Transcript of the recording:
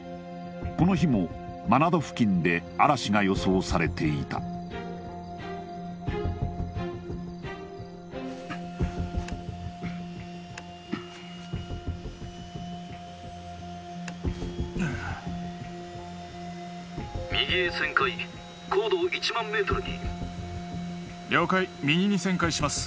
この日もマナド付近で嵐が予想されていた右へ旋回高度を１万メートルに了解右に旋回します